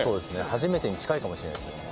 初めてに近いかもしれないですね。